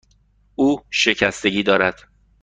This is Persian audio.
او شکستگی دارد.